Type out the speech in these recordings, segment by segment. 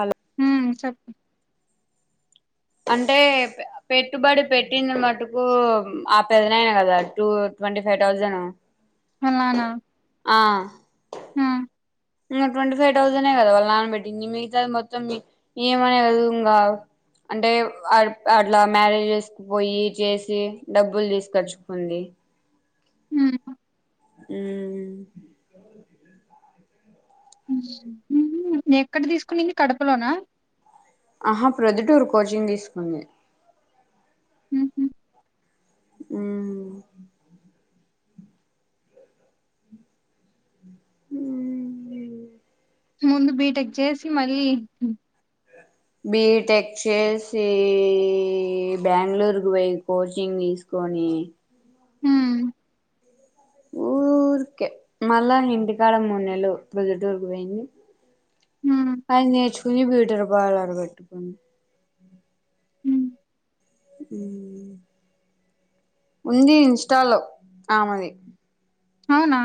అల్ ము చెప్పు అంటే పెట్టుబడి పెట్టింది మటుకు ఆ పెదనాయన కదా టూ ట్వంటీ ఫైవ్ తౌసండ్ అలాన ఆ ము ఇంకా ట్వంటీ ఫైవ్ తౌసంనే కదా వాళ్ళ నాన్న పెట్టింది మిగతా మొత్తం ఈమెనే కదు ఇంకా అంటే అట్ల మ్యారేజెసుకు పోయి చేసి డబ్బులు తీసుకచ్చుకుంది హ్మ్. ము ఎక్కడ తీసుకునింది కడపలోనా ఆహా ప్రొద్దుటూరు కోచింగ్ తీసుకుంది హుహు. ము ముందు బీటెక్ చేసి మళ్ళీ బీటెక్ చేసి బెంగళూరుకి పోయి కోచింగ్ తీసుకు పోని మ్ ఊరికే మళ్ళా ఇంటికాడ మూడు నెల్లు ప్రొద్దుటూరుకు పోయింది హ్మ్. అది నేర్చుకుని బ్యూటీ పార్లర్ పెట్టుకుంది ము ము ఉంది ఇన్స్టాలో ఆమది అవునా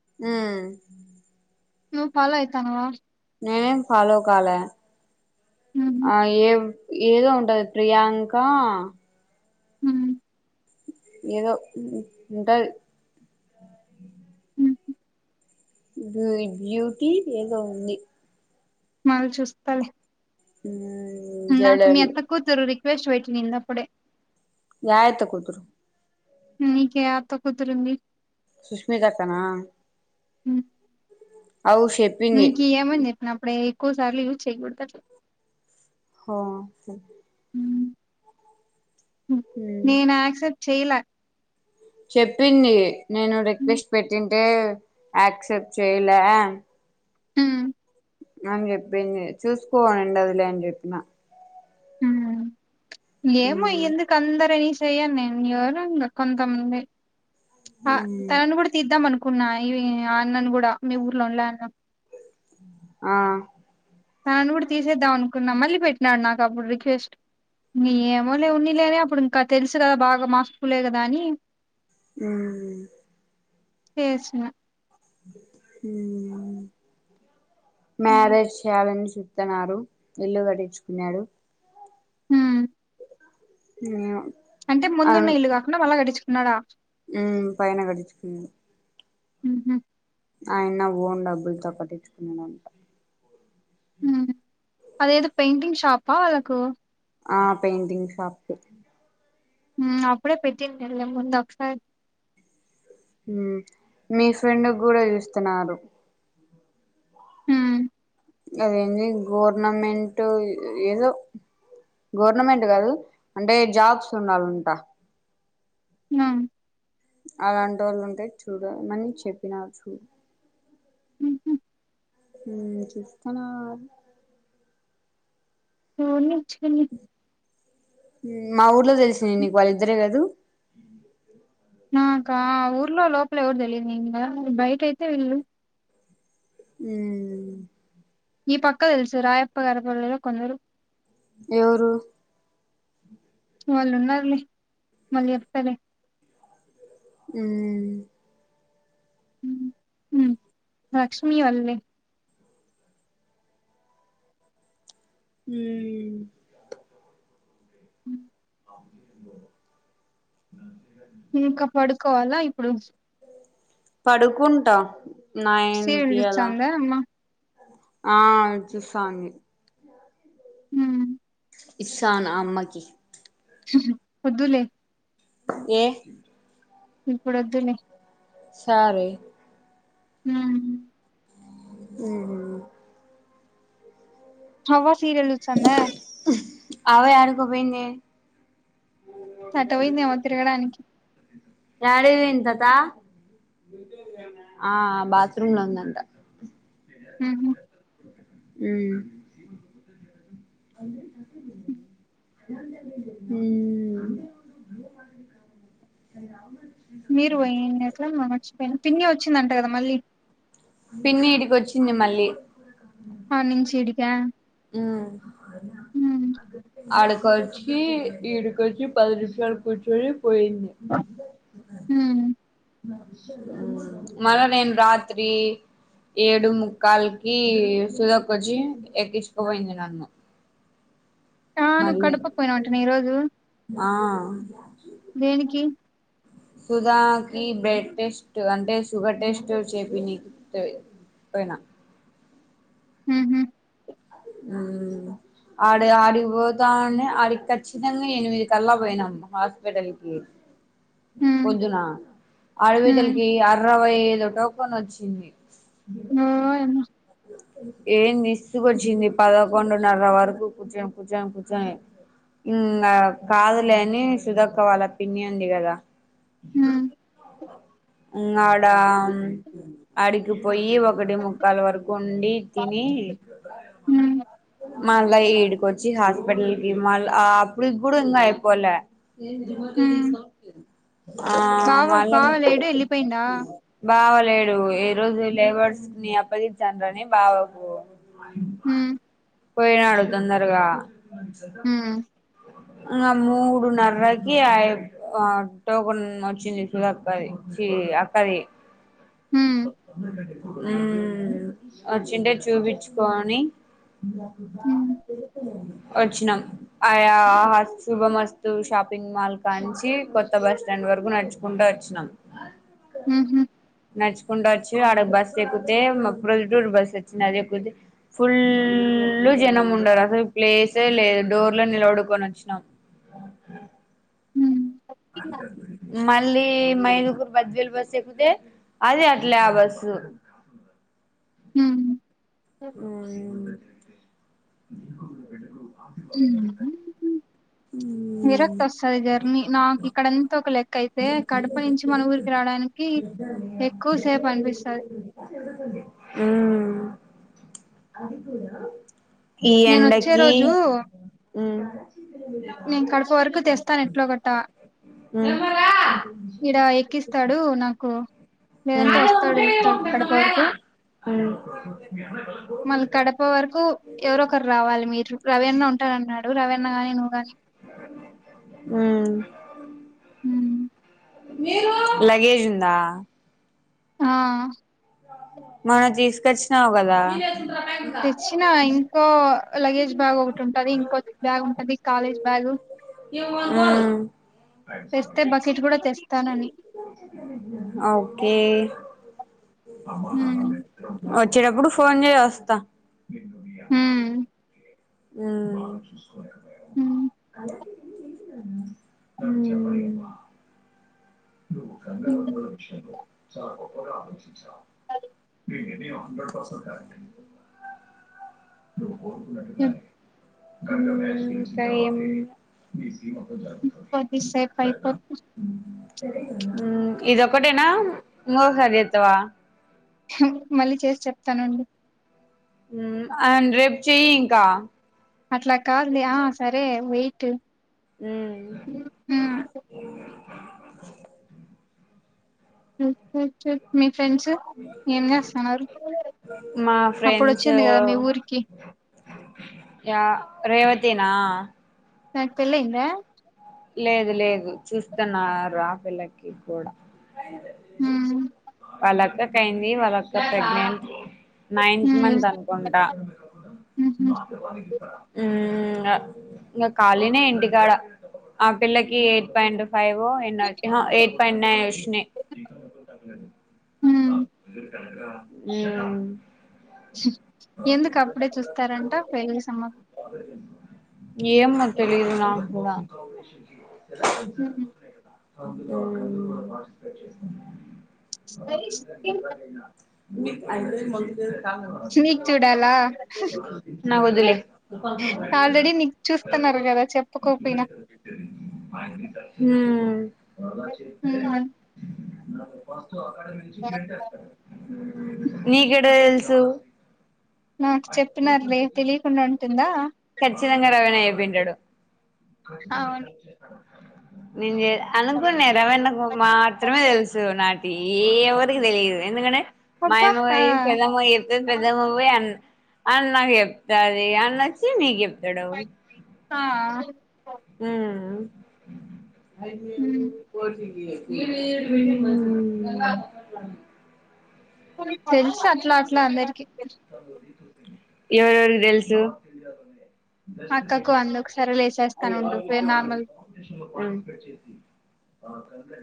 ము నువ్వు పాల అయితానవ నేనేం ఫాలో కాల హుహు. ఆ ఏదో ఉంటది ప్రియాంక ము ఏదో ఉంటది హ్మ్. బ్యూ బ్యూటీ ఏదో ఉంది మల చూస్తలే ఉమ్ ఇందాక మీ జడలు యత్త కూతురు రిక్ రిక్వెస్ట్ పెట్టినింది అప్పుడే యా యత్త కూతురు నీకు ఏ అత్త కూతురుంది సుష్మితత్తనా అమ్ చెప్పింది మీకు ఏమని చెప్పిన అప్పుడే ఎక్కువ సార్లు యూస్ చేయకూడదని ఓ ఉమ్ నేను యాక్సెప్ట్ చెయలా చెప్పింది నేను హ్మ్. రిక్వెస్ట్ పెట్టి పెట్టింటే ఆక్సెప్ట్ చేయలా ము అని చెప్పింది చూసుకోనిండదలే అని చెప్పిన ఏమో మ్ ఎందుకు అందరని చెయ్యను నేను ఎవరుండరు కొంతమంది మ్ తనని కూడా తీద్దాం అనుకు కున్నా ఈ అన్నను కూడా మీ ఊర్లో వుండ్లా ఆ అన్న ఆ తనని కూడా తీసేద్దాం అనుకున్నాం మళ్ళీ పెట్టినాడు నాకు అప్పుడు రిక్వెస్ట్. ఏమోలే వున్నిలేనే అప్పుడు ఇంకా తెలుసు కదా బాగా మా స్కూలే కదా అని. ఉ యేసినా ఉ మ్యారేజ్ చేయాలని చూతున్నారు ఇల్లు కట్టించుకున్నారు. ఉ [unintelligible] అంటే ముందున్న ఇల్లు కాకుండా మళ్ళా కట్టించుకున్నాడా. ఉ పైనా కట్టించుకున్నాడు ఉహు ఆయన ఓన్ డబ్బులతో కట్టించుకున్నాడంటా ఉ అదేదో పెయింటింగ్ షాపా వాళ్ళకు ఆ పెయింటింగ్ షాపు ఉ అప్పుడే పెటిండ్యాలె ముందు ఒక సారి మీ ఫ్రెండు కూడా చూస్తున్నారు ఉ అదేంది గవర్నమెంటు ఏదో గవర్నమెంట్ కాదు అంటే జాబ్స్ ఉండాలంటా ఆ అలాంటోళ్లు ఉంటే చూడమని చెప్పినారు చూ ఉహు ఉమ్ చూస్తానా పోనిచ్చుకొని మా ఊర్లో తెలిసింది నీకు వాళ్ళిద్దరే కాదు నాకా ఊర్లో లోపల ఎవరు తెలిదుని బయట అయితే వీళ్ళు. ఉ ఈ పక్క తెలుసు రాయప్ప గరపల్లెలో కొందరు ఎవరు వాళ్ళు ఉన్నారులే మళ్ళీ చెప్తాలే ఉ ఉ ఉ లక్ష్మీ వాళ్లే ఉ ఉ [inaudible] ఇంకా పడుకోవాలా ఇప్పుడు పడుకుంటా సీరియల్ నైన్కి అలా చూస్తాందా అమ్మ ఆ చూస్తాంది హ్మ్ ఇస్తాను అమ్మకి ఉహు వద్దులే ఏ ఇప్పుడు వద్దులే సారే ఉ ఉహు హవ్వ సీరియల్ చూస్తాందా అవ్వ ఆడీకో పోయింది అటు పోయిందేమో తిరగడానికి డాడీది ఎం తతా ఆ బాత్రూమ్ లో ఉందంట మ్ హు మ్ మ్ అమ మీరు పోయ్ ఏట్ల మర్చిపోయిన్ పిన్ని వచ్చిందంట కదా మళ్ళీ పిన్న ఇడికొచ్చింది మళ్ళీ ఆ నించిీడిక ఆడీకొచ్చి ఈడుకొచ్చి పది నిమిషాలు కూర్చొని పొఇంది హ్మ్ మ్ మళ్ళ నేను రాత్రి ఏడు ముక్కాలకి సుధక్కొచ్చి ఎక్కించుకుపోయింది నన్ను అవును నువ్వు మళ్ళీ కడపకుపోయినావంటానే ఈరోోజు ఆ దేనికి సుధా కి బ్లడ్ టెస్ట్ అంటే షుగర్ టెస్ట్ చెపినికి పోయినా మ్ హు మ్ ఆడు ఆడిపోతావునే ఆడి ఖచ్చితంగా ఎనిమిదల్లా పోయినాం హాస్పిటల్కి హ్మ్ పద్దున హాస్పిటల్ హ్మ్ కి అరవై ఏదోటో కోనోచ్చింది ఆ ఏమో ఎం విసుకోచింది పదకొంన్నరవరకు కూర్చొని కూర్చొని కూర్చొని ఇంగ కాదులే అని సుదక్కవాళ్ళ పిన్ని ఉంది కదా హ్మ్ ఉడా అడికిపోయి కి ఒకటెమోక్కాాల వరకు ఉండి తిని మ్ మళ్ళా ఇడికొచ్చి హాస్పిటల్ కి మళ్ అప్పడీకి కూడా ఇంకా అయిపోలే హ్మ్ ఆ బావ మళ్ళ బావ లేడు ఎళ్ళిపోయిండా బావాల్ లేడు ఏ రోజు లేబర్స్ ని అప్పగించనని బావకు మ్ పోయినాడు తొందరగా హ్మ్ ఆ మూడున్నరకి ఆ ఆ టోకన్ వచ్చింది సుదక్కది అక్కది హ్మ్ మ్ వచ్చుంటే చూపించుకోని హ్మ్ వచ్చినాం ఆయా శుభమస్తు షా పింగ్ మాల్ కాంచి కొత్త బస్ స్టాండ్ వరకు నడుచుకుంటూ వచ్చినాం ఊహు నచ్చుకుంట వచ్చి అడ బస్సేక్కుతే మ మొగల్తూరు బస్ వచ్చింది అది ఎక్కుతే ఫుల్ జనం ఉండారు అసలు ప్లేసే లేదు డోర్ లో నిలబడుకొని వచ్చినాం హ్మ్ మళ్ళీ మైదుగురు బద్వేలు బస్ ఎక్కుతే అది అట్లే ఆ బస్సు స్ హ్మ్ ఆ [inaudible] ఉమ్ విరక్తి వస్తది జర్నీ నాకు ఇక్కడంతా ఒక లెక్క అయితే కడప నుంచి మన ఊరికి రావడానికి చెద్ద ఎక్కువ గ సేపు అనిపిస్తది [unintelligible] ఉం ఈ నేను వచ్చే ఎండకి రోజు ఉం నేను కడప వరకు తెస్తాను ఎట్లో కట్ట ఉమ్ ఉమ్ ఇడ ఎక్కిస్తాడు నాకు లేదంటే వస్తాడు కడప వరకు మల్లి కడప వరకు ఎవరొ ఒకరు రావాలి మీరు రవి అన్న ఉంటానన్నాడు రవి అన్న కాని నువ్వు గాని ఉం ఉం లగేజ్ వుందా ఆ మనది తీసుకొచ్చినావు కదా తెచ్చిన ఇంకో లగేజ్ బ్యాగ్ ఒకటి ఉంటది ఇంకో బ్యాగ్ ఉంటంది కాలేజ్ బ్యాగ్ ఉం తెస్తే బకెట్ కూడా తెస్తానని ఓకే ఉమ్ వచ్చేటప్పుడు ఫోన్ చెయ్ వస్తా ఉమ్ ఉం ఉమ్ ఉం కంగా వదల విషయంలో చాలా గొప్పగా ఆలోచించి [unintelligible] హ్రడ్సట్ క ఉన్నట్గా ఉమ్ [unintelligible] క ఏమ్ జాగు కొద్దిసేపు సద అయిపోతు [unintelligible] ఇదొక్కటేనా ఇంగో సారి చేత్తవా మళ్ళీ చేసి చెప్తానండు ఉం ఆ రేపు చెయ్యి ఇంకా అట్లా కాదు లే ఆ సరే వెయిట్ ఉం మీ ఫ్రెండ్స్ ఏం చేస్తన్నారు మా అప్పుడు ఫ్రెండ్స్ వచ్చింది కదా మీ ఊరికి యా రేవతినా దానికి పెళ్లి అయిందా లేదు లేదు చూస్తున్నారు ఆ పిల్లకి కూడా హ్మ్ వాల్ల అక్క కి అయింది వాల అక్క ప్రెగ్నెంట్ నైన్త్ హ్మ్ మంత్ అనుకుంటా ఉహూ ఉం ఇంగ ఖాళీనే ఇంటికాడ ఆ పిల్లకి ఎయిట్ పాయింట్ ఫైవ్ వో ఎన్నో ఆహా ఎయిట్ పాయింట్ నైన్ వచ్చినయి హ్మ్ ఉం ఎందుకు అప్పుడే చూస్తారంట పెళ్లి సంభం ఏమో తెలియదు నాకు కూడా హ్మ్. ఉం మీ అఐదు మగ [unintelligible] నీకు చూడాలా నాకు వద్దులే న్నారు కదా చెప్పుకోపోయినా హ్మ్ హ్మ్ నీకెట్ట తెలుసు నాకు చెప్పినారులే తెలియకుండా ఉంటుందా ఖచ్చితంగా రవీణ అయిపోంటాడు అవును ని చే అనుకున్న రవన్నకు మాత్రమే తెలుసు నాటి ఏవరికి తెలిదు ఎందుకంటే అబ్బా మాయమ్మ ఆ పోయి పెద్దమ్మ చెప్తది పెద్దమ్ పోయి అ అన్నకి గెప్తది అన్నచ్చి మీకెప్ ఆ హ్మ్ హ్మ్ ఉ హ్మ్ తెలుసు అట్లా అట్లా అందరికి ఎవరవర్ తెల్సు అక్కకు అంద ఒక సరలే అయ వా వా